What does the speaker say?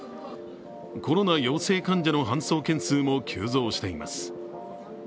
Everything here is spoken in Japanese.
コロナ陽性患者の搬送件数も急増しています。